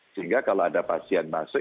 sehingga kalau ada pasien masuk